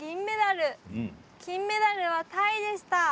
金メダルはタイでした。